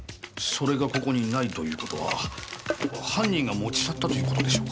それがここにないという事は犯人が持ち去ったという事でしょうか？